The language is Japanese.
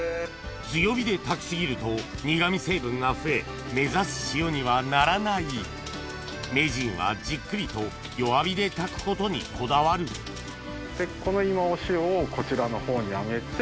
強火で焚き過ぎると苦味成分が増え目指す塩にはならない名人はじっくりと弱火で焚くことにこだわるでこの今お塩をこちらのほうに揚げて。